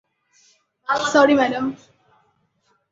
Sorry, madam.